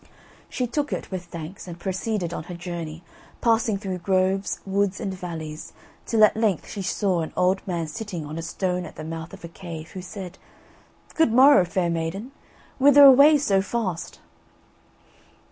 She took it, with thanks, and proceeded on her journey, passing through groves, woods, and valleys, till at length she saw an old man sitting on a stone at the mouth of a cave, who said: "Good morrow, fair maiden, whither away so fast?"